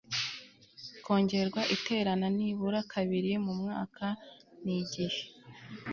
kongerwa Iterana nibura kabiri mu mwaka n igihe